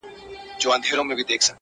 خو بدلون ورو روان دی تل-